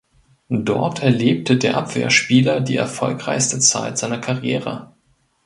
Dort erlebte der Abwehrspieler die erfolgreichste Zeit seiner Karriere.